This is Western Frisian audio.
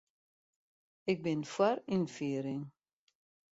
Ik bin foar ynfiering.